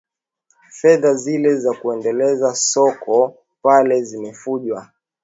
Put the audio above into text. fedha zile za kuendeleza soka pale zimefujwa